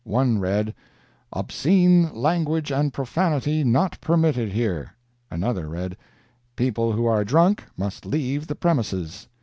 One read: "OBSCENE LANGUAGE AND PROFANITY NOT PERMITTED HERE." Another read: "PEOPLE WHO ARE DRUNK MUST LEAVE THE PREMISES.